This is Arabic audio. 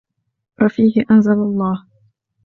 وَفِيهِ أَنْزَلَ اللَّهُ